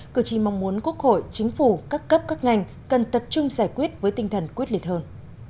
cử tri mong muốn quốc hội chính phủ các cấp các ngành cần tập trung giải quyết với tinh thần quyết liệt hơn